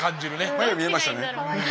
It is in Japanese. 迷い見えましたね。